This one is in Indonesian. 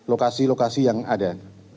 lokasi lokasi yang ada